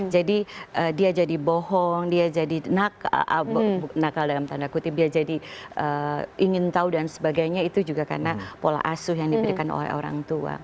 jadi dia jadi bohong dia jadi nakal dalam tanda kutip dia jadi ingin tahu dan sebagainya itu juga karena pola asuh yang diberikan oleh orang tua